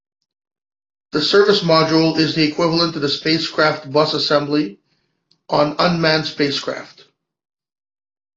The service module is the equivalent to the spacecraft bus assembly on unmanned spacecraft.